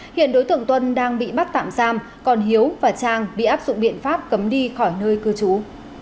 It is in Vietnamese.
hiện đối tượng tuân đang bị bắt tạm giam còn hiếu và trang bị áp dụng biện pháp cấm đi khỏi nơi cư trú